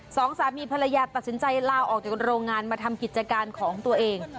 สองสามีภรรยาตัดสินใจลาออกจากโรงงานมาทำกิจการของตัวเอง